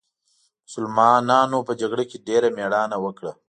مسلمانانو په جګړه کې ډېره مېړانه وکړه.